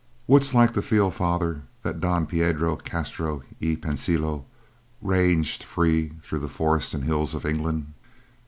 Wouldst like to feel, Father, that Don Piedro Castro y Pensilo ranged free through forest and hill of England?